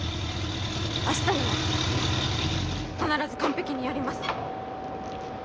明日には必ず完璧にやります。